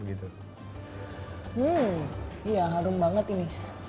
iya harum banget ini